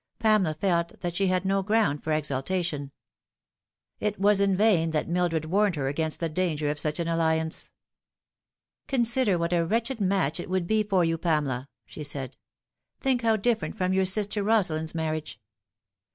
Pamela felt that she had no ground for exultation. It was in vain that Mildred warned her against the danger of such an alliance. " Consider what a wretched match it would be for you, Higher Views. 201 Pamela*" she said. "Think how different from your sister Kosalind's marriage."